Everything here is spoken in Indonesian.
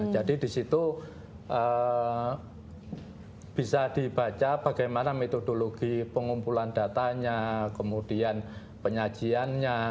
jadi di situ bisa dibaca bagaimana metodologi pengumpulan datanya kemudian penyajiannya